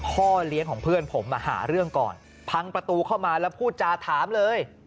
พ่อเลี้ยงของเพื่อนผมมาหาเรื่องก่อนพังประตูเข้ามาแล้วพูดจาถามเลย